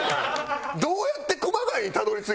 どうやって熊谷にたどり着いたん？